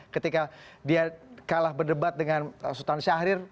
ketika dia kalah berdebat dengan sultan syahrir